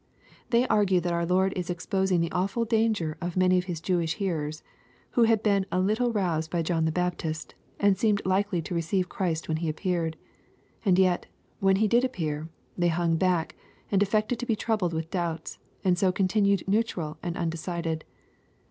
They argue that our Lord is exposing the awful danger of many of His Jewish hearers, who had been a little roused by John the Baptist, and seemed likely to receive Christ when He appeared. And yet, when He did appear, they hung back and affected to be troubled with doubts, and so continued neutral and undecided.